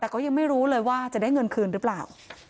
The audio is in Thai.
แต่ก็ยังไม่รู้เลยว่าจะได้เงินคืนหรือเปล่า